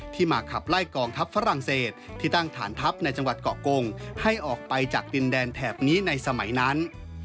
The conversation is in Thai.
มาขับไล่กองทัพฝรั่งเศสที่ตั้งฐานทัพในจังหวัดเกาะกงให้ออกไปจากดินแดนแถบนี้ในสมัยนั้น